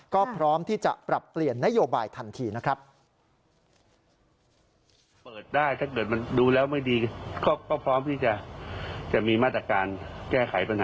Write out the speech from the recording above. ก็พร้อมที่จะปรับเปลี่ยนนโยบายทันทีนะครับ